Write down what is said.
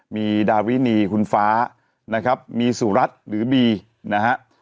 มีดาวินีคุณฟ้านะครับมีสุรัตน์หรือบีนะฮะ